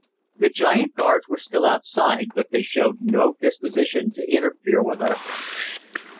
The giant guards were still outside, but they showed no disposition to interfere with our friends.